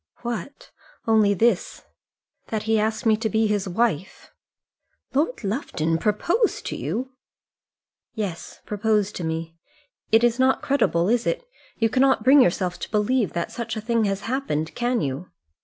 "What? Only this, that he asked me to be his wife." "Lord Lufton proposed to you?" "Yes; proposed to me. It is not credible, is it? You cannot bring yourself to believe that such a thing happened, can you?"